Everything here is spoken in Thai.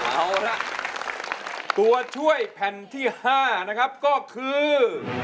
เอาละตัวช่วยแผ่นที่๕นะครับก็คือ